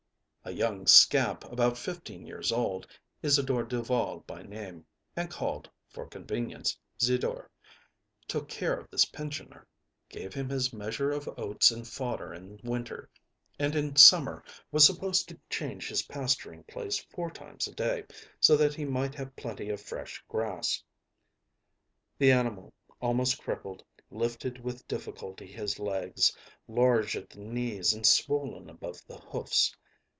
A young scamp about fifteen years old, Isidore Duval by name, and called, for convenience, Zidore, took care of this pensioner, gave him his measure of oats and fodder in winter, and in summer was supposed to change his pasturing place four times a day, so that he might have plenty of fresh grass. The animal, almost crippled, lifted with difficulty his legs, large at the knees and swollen above the hoofs.